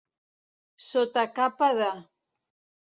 Sota capa de.